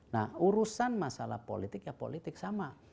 nah urusan masalah politik ya politik sama